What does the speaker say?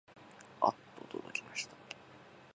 あっとおどろきました